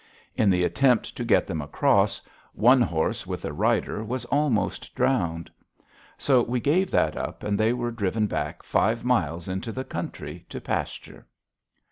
In the attempt to get them across, one horse with a rider was almost drowned. So we gave that up, and they were driven back five miles into the country to pasture.